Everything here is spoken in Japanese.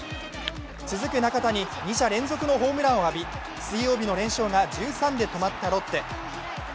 続く中田に２者連続のホームランを浴び水曜日の連勝が１３で止まったロッテ。